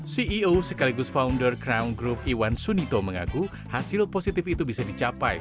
ceo sekaligus founder crown group iwan sunito mengaku hasil positif itu bisa dicapai